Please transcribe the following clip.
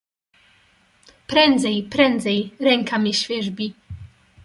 "Prędzej, prędzej, ręka mię świerzbi."